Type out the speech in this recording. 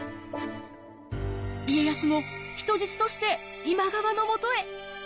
家康も人質として今川のもとへ。